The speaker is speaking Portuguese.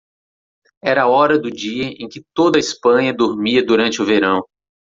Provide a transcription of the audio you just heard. Era a hora do dia em que toda a Espanha dormia durante o verão.